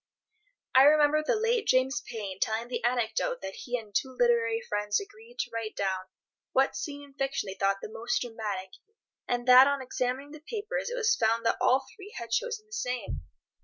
I remember the late James Payn telling the anecdote that he and two literary friends agreed to write down what scene in fiction they thought the most dramatic, and that on examining the papers it was found that all three had chosen the same.